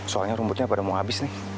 soalnya rumputnya pada mau habis nih